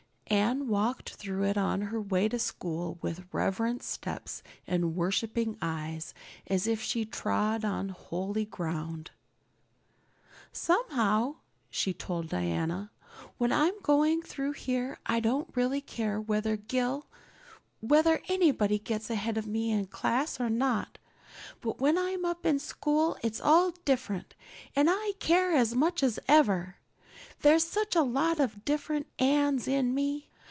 Anne walked through it on her way to school with reverent steps and worshiping eyes, as if she trod on holy ground. "Somehow," she told Diana, "when I'm going through here I don't really care whether Gil whether anybody gets ahead of me in class or not. But when I'm up in school it's all different and I care as much as ever. There's such a lot of different Annes in me.